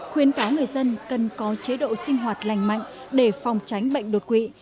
khuyến cáo người dân cần có chế độ sinh hoạt lành mạnh để phòng tránh bệnh đột quỵ